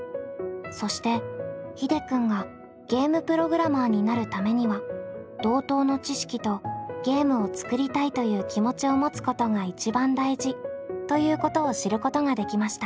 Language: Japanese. そしてひでくんがゲームプログラマーになるためには同等の知識とゲームを作りたいという気持ちを持つことが一番大事ということを知ることができました。